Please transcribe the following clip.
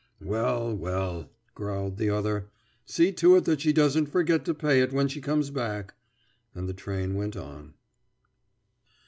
"Well, well," growled the other, "see to it that she doesn't forget to pay it when she comes back." And the train went on.